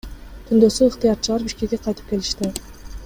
Түндөсү ыктыярчылар Бишкекке кайтып келишти.